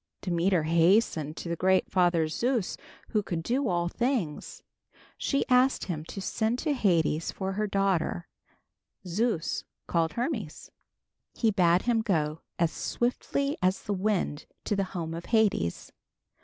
Demeter hastened to the great father Zeus, who could do all things. She asked him to send to Hades for her daughter. Zeus called Hermes. He bade him go as swiftly as the wind to the home of Hades.